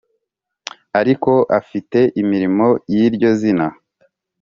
ariko afite imirimo y’iryo zina